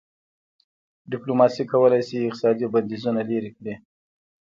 ډيپلوماسي کولای سي اقتصادي بندیزونه لېرې کړي.